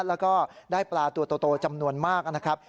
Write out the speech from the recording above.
แล้วก็ได้ปลาตัวโตจำนวนมากนะครับ